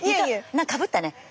かぶったね